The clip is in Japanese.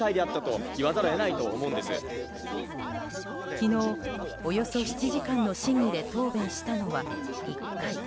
昨日、およそ７時間の審議で答弁したのは１回。